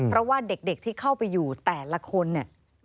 เพราะว่าเด็กที่เข้าไปอยู่แต่ละคนเนี่ย